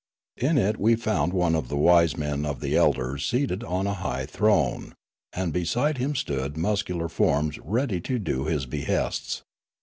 In it we found one of the wise men of the elders seated on a high throne; and beside him stood muscular forms ready to do his behests.